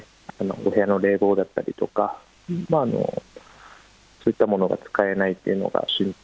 お部屋の冷房だったりとか、そういったものが使えないっていうのが心配。